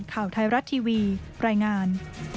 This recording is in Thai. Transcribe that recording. ข่าวไทยรัฐทีวีรายงาน